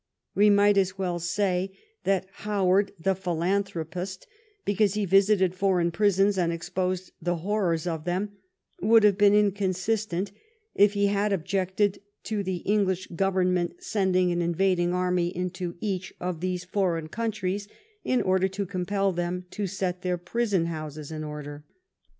We might as well say that Howard the philanthropist, because he visited for eign prisons and exposed the horrors of them, would have been inconsistent if he had objected to the English Government sending an invading army into each of these foreign countries in order to compel them to set their prison houses in order.